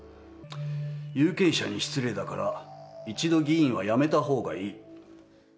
有権者に失礼だから、一度、議員は辞めたほうがいい。